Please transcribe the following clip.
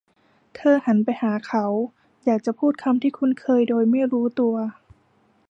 เธอหันไปหาเขา; อยากจะพูดคำที่คุ้นเคยโดยไม่รู้ตัว